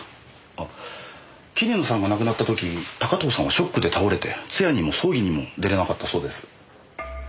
あっ桐野さんが亡くなった時高塔さんはショックで倒れて通夜にも葬儀にも出られなかったそうです。